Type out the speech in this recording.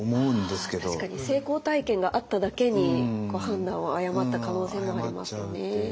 確かに成功体験があっただけに判断を誤った可能性もありますよね。